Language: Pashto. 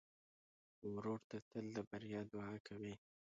ورور ته تل د بریا دعا کوې.